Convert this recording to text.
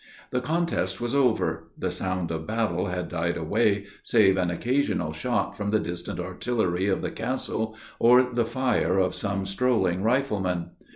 The contest was over the sound of battle had died away, save an occasional shot from the distant artillery of the castle, or the fire of some strolling riflemen.